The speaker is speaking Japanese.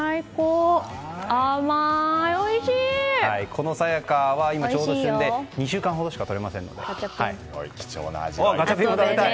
このさやかは今がちょうど旬で２週間ほどしかとれませんのでガチャピンも食べたい？